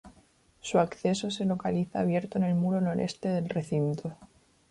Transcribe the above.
Su acceso se localiza abierto en el muro Noreste del recinto.